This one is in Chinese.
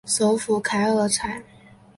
首府凯尔采。